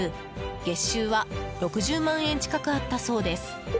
月収は６０万円近くあったそうです。